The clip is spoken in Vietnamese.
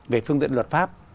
về phương tiện luật pháp